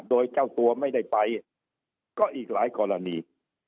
โดยเจ้าตัวไม่ได้ไปก็อีกหลายกรณี